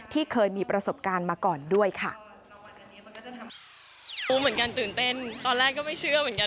ที่เคยมีประสบการณ์มาก่อนด้วยค่ะ